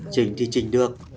chỉnh thì chỉnh được